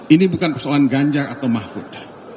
ini bukan persoalan ganjar atau mahfud